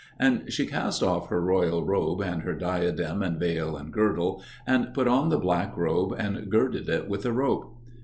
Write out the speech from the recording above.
And she cast off her royal robe and her diadem and veil and girdle, and put on the black robe and girded it with a rope.